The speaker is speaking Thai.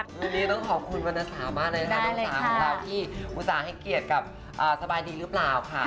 วันนี้ต้องขอบคุณวรรณสาวมากเลยนะคะน้องสาวของเราที่อุตส่าห์ให้เกียรติกับสบายดีหรือเปล่าค่ะ